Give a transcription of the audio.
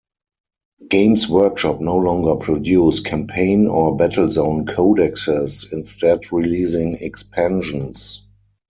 Games Workshop no longer produce campaign or battlezone codexes, instead releasing 'expansions'.